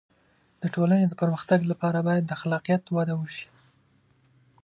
د ټولنې د پرمختګ لپاره باید د خلاقیت وده وشي.